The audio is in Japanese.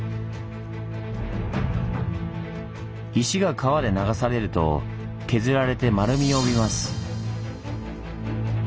石が川で流されると削られて丸みを帯びます。